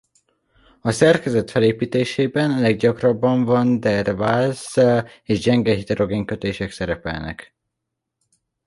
A szerkezet felépítésében leggyakrabban van der Waals és gyenge hidrogénkötések szerepelnek.